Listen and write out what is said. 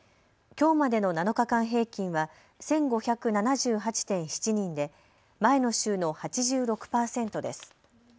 きょうまでの７日間平均は１５７８．７人で前の週の８６％です。